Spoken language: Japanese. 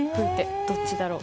どっちだろう。